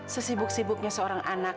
sesibuk sibuknya seorang anak